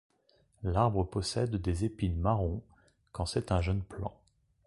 L'arbre possède des épines marrons quand c'est un jeune plant.